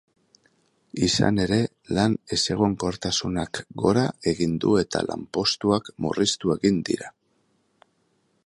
Izan ere, lan ezegonkortasunak gora egin du eta lanpostuak murriztu egin dira.